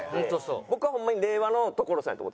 僕はホンマに令和の所さんやと思ってます。